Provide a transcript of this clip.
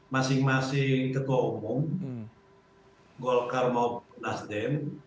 masing masing ketua umum golkar maupun nasdem